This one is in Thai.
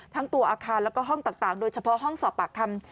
ทั้งตัวอาคารแล้วก็ห้องต่างโดยเฉพาะห้องสอบปากคำ